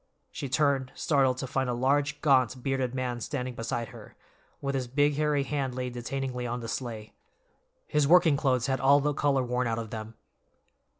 She turned, startled, to find a large, gaunt, bearded man standing beside her, with his big, hairy hand laid detainingly on the sleigh. His working clothes had all the color worn out of them.